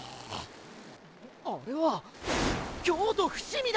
あれは京都伏見だ！